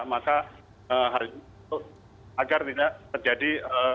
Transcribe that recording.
maka harus agar tidak terjadi